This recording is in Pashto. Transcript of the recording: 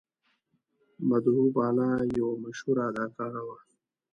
مدهو بالا یوه مشهوره اداکاره وه.